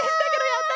やった！